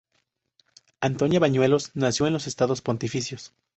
Antonia Bañuelos nació en los Estados Pontificios.